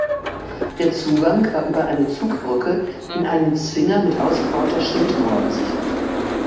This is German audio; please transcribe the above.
Der Zugang war über eine Zugbrücke in einen Zwinger mit ausgebauter Schildmauer gesichert.